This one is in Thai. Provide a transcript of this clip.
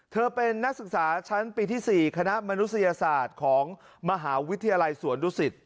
เธอเป็นนักศึกษาชั้นปีที่๔คณะมนุษยศาสตร์ของมหาวิทยาลัยสวนดุสิต